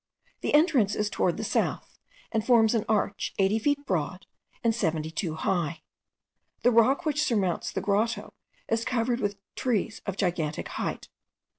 The entrance is towards the south, and forms an arch eighty feet broad and seventy two high. The rock which surmounts the grotto is covered with trees of gigantic height.